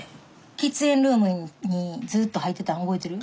喫煙ルームにずっと入ってたん覚えてる？